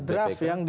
draft yang di